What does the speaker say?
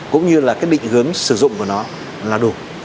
cũng như là cái định hướng sử dụng của nó là đủ